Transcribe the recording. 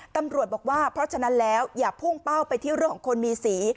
ตำรวจบอกว่าเพราะฉะนั้นแล้วอย่าพุ่งเป้าไปที่เรื่องของคนมีสี